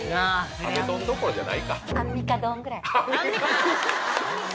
壁ドンどころじゃないか。